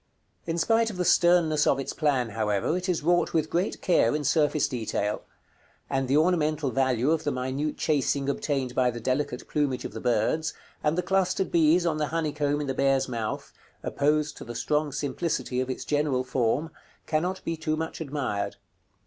In spite of the sternness of its plan, however, it is wrought with great care in surface detail; and the ornamental value of the minute chasing obtained by the delicate plumage of the birds, and the clustered bees on the honeycomb in the bear's mouth, opposed to the strong simplicity of its general form, cannot be too much admired.